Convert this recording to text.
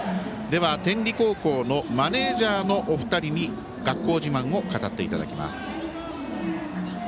では、天理高校のマネージャーのお二人に学校自慢を語っていただきます。